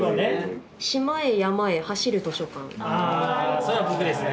あそれは僕ですね。